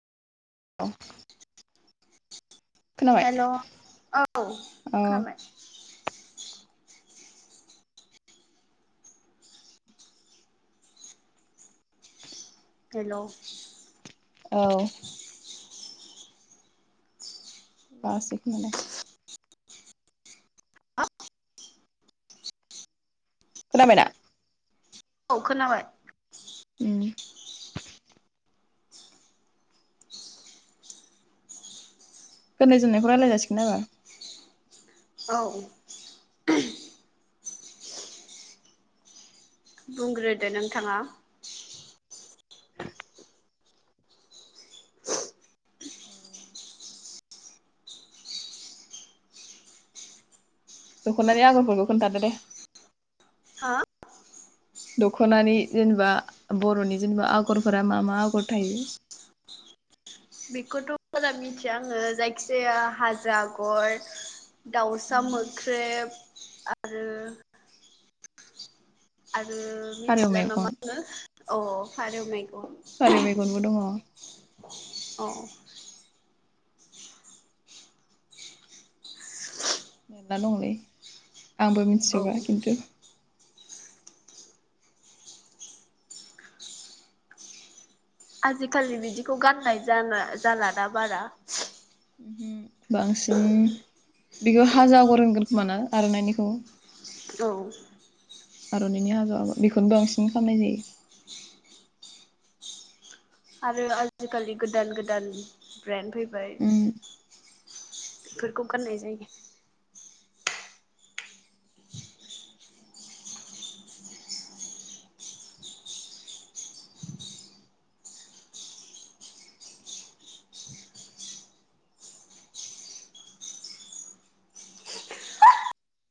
औ खोनाबाय हेल' औ औ खोनाबाय हेल' औ दासो खोनादों खोनाबाय दा औ खोनाबाय उम गाननाय जोमनायखौ रायलायज जासिगोन आरो औ औ बुंग्रोदो नोंथाङा औ दख'नानि आगरफोरखौ खोन्थादो दे हो दख'नानि जेनेबा बर'नि जेनेबा आगरफोरा मा मा आगर थायो। बेखौथ' बारा मिथिया आङो जायखि जाया हाजो आगर दाउसा मोख्रेब आरो आरो फारौ मिथिला मेगन नामा आङो अ फारौ मेगन फारौ मेगनबो दङ। औ मेरना दंलै आंबो औ मिथिजोबा खिन्थु आजिखालि बिदिखौ गाननाय जाना जाला दा बारा उमहो बांसिन बेखौ हाजो आगर होनगोन खोमा ना आर'नाइनिखौ औ आर'नाइनि हाजो आगर बेखौ बांसिन खालामनाय जायो। आरो आजिखालि गोदान गोदान ब्रेन्ड फैबाय। उम बेफोरखौ गाननाय जायो